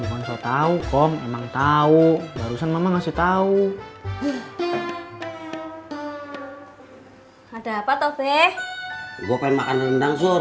tau lu mau tau tau kom emang tahu barusan mama ngasih tahu ada apa tobeh gue makan rendang sur